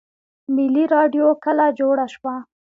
ملي راډیو کله جوړه شوه؟